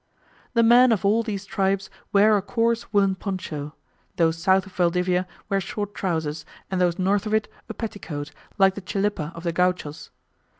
The men of all these tribes wear a coarse woolen poncho: those south of Valdivia wear short trousers, and those north of it a petticoat, like the chilipa of the Gauchos.